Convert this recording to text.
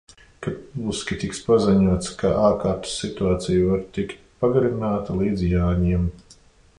Kad publiski tiks paziņots, ka ārkārtas situācija var tikt pagarināta līdz Jāņiem.